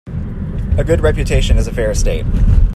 A good reputation is a fair estate.